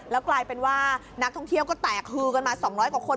แล้วกลายเป็นว่านักท่องเที่ยวก็แตกฮือกันมา๒๐๐กว่าคน